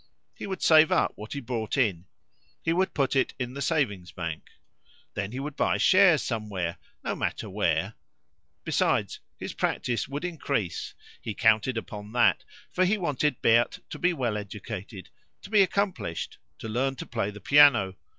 He would save up what he brought in; he would put it in the savings bank. Then he would buy shares somewhere, no matter where; besides, his practice would increase; he counted upon that, for he wanted Berthe to be well educated, to be accomplished, to learn to play the piano.